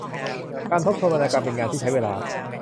การทบทวนวรรณกรรมเป็นงานที่ใช้เวลา